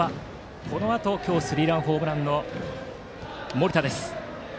このあと今日スリーランホームランの森田。